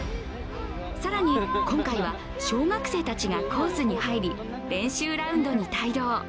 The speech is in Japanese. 更に今回は小学生たちがコースに入り、練習ラウンドに帯同。